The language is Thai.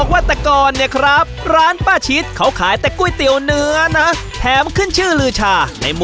๔๐กว่าปีแล้วนะโอ้โหนี่